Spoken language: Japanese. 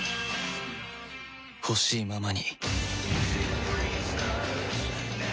ほしいままに